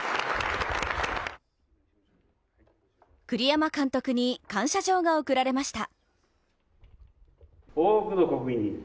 栗山監督に感謝状が贈られました。